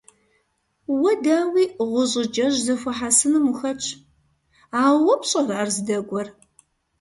Уэ, дауи, гъущӀыкӀэжь зэхуэхьэсыным ухэтщ; ауэ уэ пщӀэрэ ар здэкӀуэр?